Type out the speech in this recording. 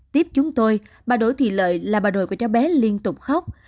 tiếp chúng tôi bà đổi thị lợi là bà đổi của cháu bé liên tục khóc